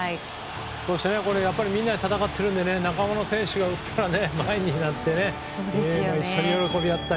そうしてやっぱりみんなで戦っているので仲間の選手が打ったら一緒に喜び合ったり。